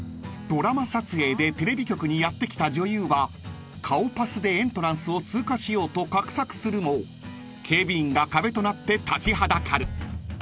［ドラマ撮影でテレビ局にやって来た女優は顔パスでエントランスを通過しようと画策するも警備員が壁となって立ちはだかる］